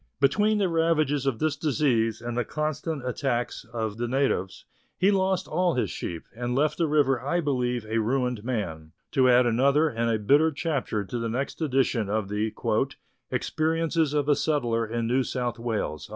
Between the ravages of this disease and the constant attacks of the natives, he lost all his sheep, and left the river I believe a ruined man, to add another and a bitter chapter to the next edition of the " Experiences of a Settler in New South Wales."